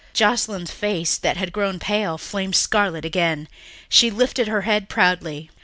Joscelyn's face, that had grown pale, flamed scarlet again. She lifted her head proudly.